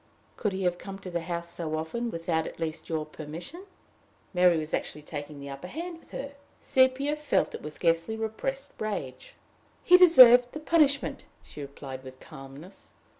Could he have come to the house so often without at least your permission?" Mary was actually taking the upper hand with her! Sepia felt it with scarcely repressive rage. "He deserved the punishment," she replied, with calmness.